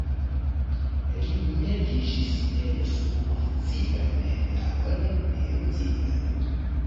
Li mergiĝis en subkonscian lagon de emocioj.